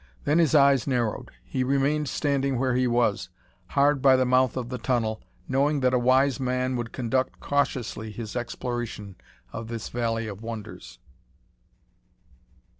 Then his eyes narrowed. He remained standing where he was, hard by the mouth of the tunnel, knowing that a wise man would conduct cautiously his exploration of this valley of wonders.